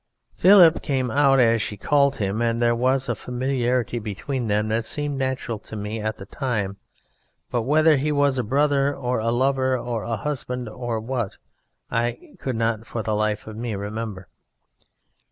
"Philip came out as she called him, and there was a familiarity between them that seemed natural to me at the time, but whether he was a brother or a lover or a husband, or what, I could not for the life of me remember.